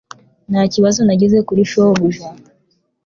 Nta kibazo nagize kuri shobuja.